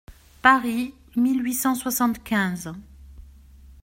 (Paris, mille huit cent soixante-quinze.